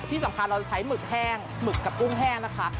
ที่สำคัญเราจะใช้หมึกแห้งหมึกกับกุ้งแห้งนะคะ